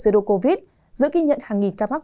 sửa đồ covid giữa ghi nhận hàng nghìn ca mắc